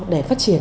để phát triển